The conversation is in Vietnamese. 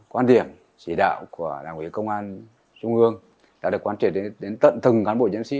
quan điểm chỉ đạo của đảng ủy công an trung ương đã được quan triệt đến tận từng cán bộ chiến sĩ